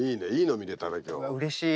うれしい。